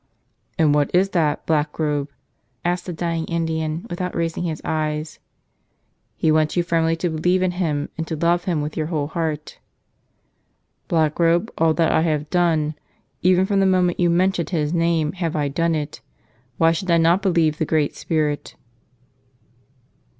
"And what is that, Blackrobe?" asked the dying Indian, without raising his eyes. "He wants you firmly to believe in Him and to love Him with your whole heart." "Blackrobe, all that I have done. Even from the moment you mentioned His name have I done it. Why should I not believe the Great Spirit?"